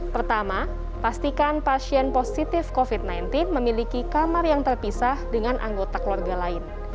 pertama pastikan pasien positif covid sembilan belas memiliki kamar yang terpisah dengan anggota keluarga lain